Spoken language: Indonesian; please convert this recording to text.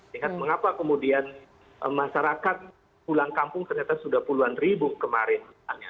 lihat mengapa kemudian masyarakat pulang kampung ternyata sudah puluhan ribu kemarin